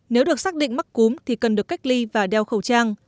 nếu được xác định mắc cúm thì cần được cách ly và đeo khẩu trang